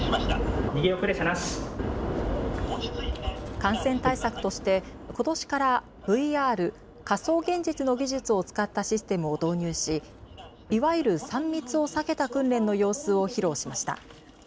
感染対策として、ことしからＶＲ・仮想現実の技術を使ったシステムを導入しいわゆる３密を避けた訓練の様子を披露しました。